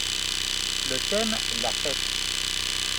Le thème est la fête.